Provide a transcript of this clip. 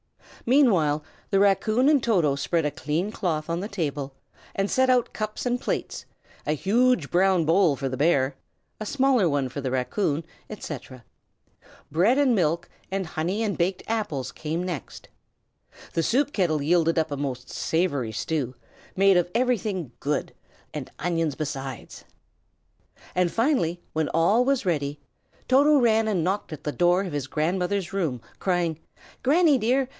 Meanwhile, the raccoon and Toto spread a clean cloth on the table, and set out cups and plates, a huge brown bowl for the bear, a smaller one for the raccoon, etc. Bread and milk, and honey and baked apples came next; the soup kettle yielded up a most savory stew, made of everything good, and onions besides; and finally, when all was ready, Toto ran and knocked at the door of his grandmother's room, crying, "Granny, dear!